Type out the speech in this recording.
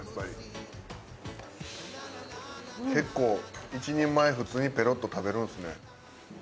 結構１人前普通にペロッと食べるんですね。